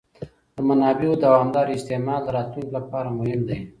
د منابعو دوامداره استعمال د راتلونکي لپاره مهم دی.